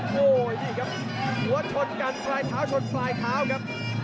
โอ้โหนี่ครับหัวชนกันปลายเท้าชนปลายเท้าครับ